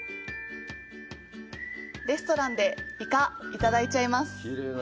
レストランでイカ、いただいちゃいます！